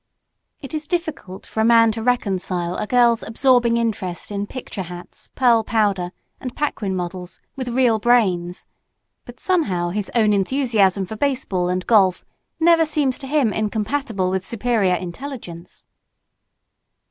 It is difficult for a man to reconcile a girl's absorbing interest in picture hats, pearl powder, and Paquin models with real brains; but somehow his own enthusiasm for baseball and golf never seems to him incompatible with superior intelligence.